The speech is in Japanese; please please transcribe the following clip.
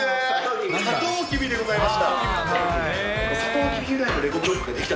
サトウキビでございました。